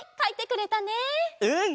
うん！